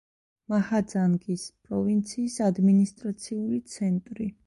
მაჰაძანგის პროვინციის ადმინისტრაციული ცენტრი.